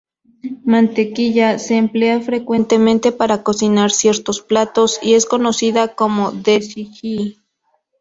Mantequilla: Se emplea frecuentemente para cocinar ciertos platos y es conocida como desi ghi.